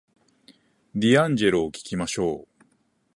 ディアンジェロを聞きましょう